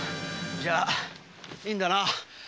じゃいいんだな。